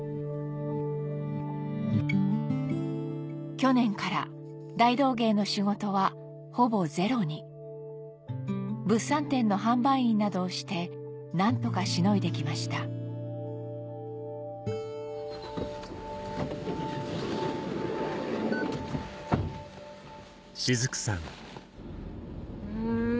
去年から大道芸の仕事はほぼゼロに物産展の販売員などをして何とかしのいで来ましたうん